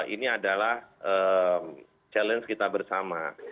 ini adalah challenge kita bersama